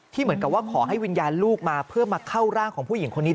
เหมือนกับว่าขอให้วิญญาณลูกมาเพื่อมาเข้าร่างของผู้หญิงคนนี้